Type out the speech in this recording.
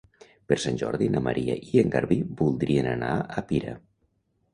Per Sant Jordi na Maria i en Garbí voldrien anar a Pira.